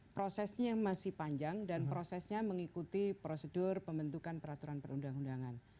prosesnya masih panjang dan prosesnya mengikuti prosedur pembentukan peraturan perundang undangan